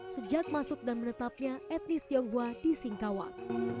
sejak masuk dan menetapnya etnis tionghoa di singkawang